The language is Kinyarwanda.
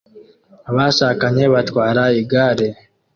abashakanye batwara igare